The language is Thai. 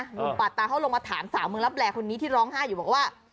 ปาดตาเขาลงมาถามสาวเมืองรับแร่คนนี้ที่ร้องไห้อยู่บอกว่า